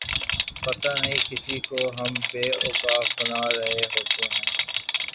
پتہ نہیں کس کو ہم بے وقوف بنا رہے ہوتے ہیں۔